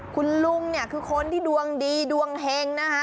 คุณลุงเนี่ยคือคนที่ดวงดีดวงเฮงนะคะ